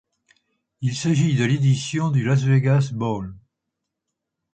Il s'agit de la édition du Las Vegas Bowl.